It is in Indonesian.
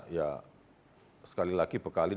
ya sekali lagi bekalin